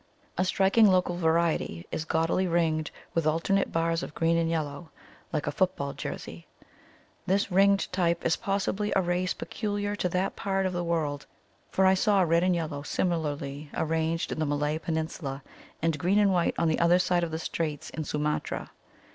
A striking local variety is gaudily ringed with alternate bars of green and yellow, like a football jersey. This ringed type is pos sibly a race peculiar to that part of the world, for I saw red and yeUow similarly 190 THE THEOSOPHIC VIEW OF FAIRIES arranged in the Malay Peninsula, and green and white on the other side of the Straits in Sumatra.